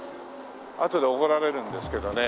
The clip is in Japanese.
あとで怒られるんですけどね。